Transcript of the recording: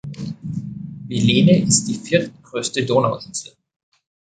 Belene ist die viertgrößte Donauinsel.